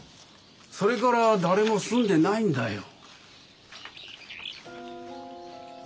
それから誰も住んでないんだよ。